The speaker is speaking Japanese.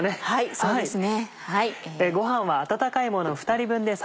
そうですね。